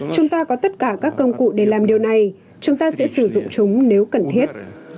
chúng ta có tất cả các công cụ để làm điều này chúng ta sẽ sử dụng chúng nếu cần thiết